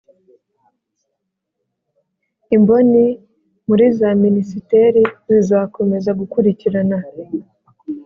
imboni muri za minisiteri zizakomeza gukurikirana